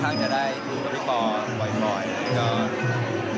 เป็นกามให้ปอผัญหาดูแล